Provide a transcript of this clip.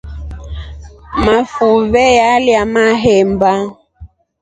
Mafuve nyalya mahemba.